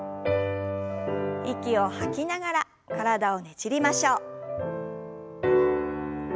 息を吐きながら体をねじりましょう。